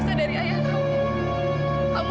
gak ada harganya kan